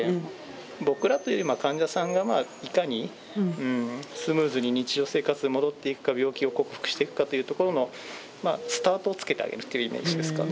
僕らというより患者さんがまあいかにスムーズに日常生活に戻っていくか病気を克服していくかっていうところのスタートをつけてあげるっていうイメージですかね。